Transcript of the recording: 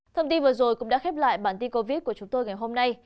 thông tin vừa rồi cũng đã khép lại bản tin covid của chúng tôi ngày hôm nay